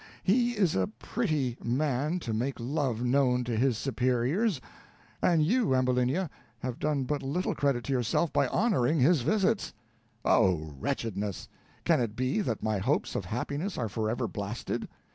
He is a pretty man to make love known to his superiors, and you, Ambulinia, have done but little credit to yourself by honoring his visits. Oh, wretchedness! can it be that my hopes of happiness are forever blasted!